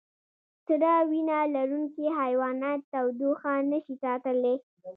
سړه وینه لرونکي حیوانات تودوخه نشي ساتلی